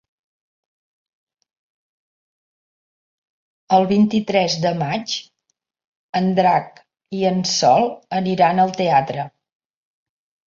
El vint-i-tres de maig en Drac i en Sol aniran al teatre.